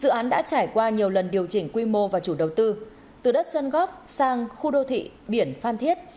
dự án đã trải qua nhiều lần điều chỉnh quy mô và chủ đầu tư từ đất sơn góp sang khu đô thị biển phan thiết